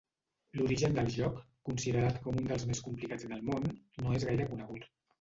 L'origen del joc considerat com un dels més complicats del món no és gaire conegut.